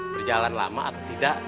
berjalan lama atau tidak